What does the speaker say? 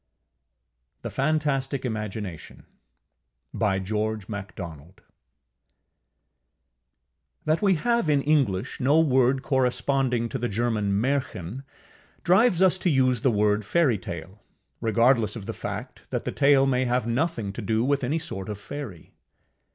THE FANTASTIC IMAGINATION That we have in English no word corresponding to the German M├żhrchen, drives us to use the word Fairytale, regardless of the fact that the tale may have nothing to do with any sort of fairy.